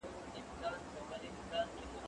هغه وويل چي منډه ښه ده